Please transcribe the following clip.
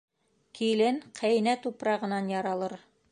Килен ҡәйнә тупрағынан яралыр.